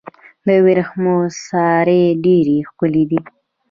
د ورېښمو سارۍ ډیرې ښکلې دي.